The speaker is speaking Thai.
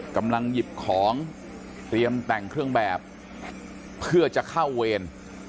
กำลังหยิบของเตรียมแต่งเครื่องแบบเพื่อจะเข้าเวร